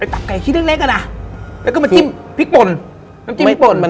ตับไก่ขี้เล็กอะน่ะแล้วก็มาจิ้มพริกบ่น